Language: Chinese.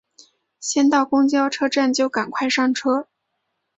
先到公车站就赶快上车